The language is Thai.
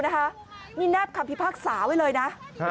นี่แนบคำพิพากษาไว้เลยนะ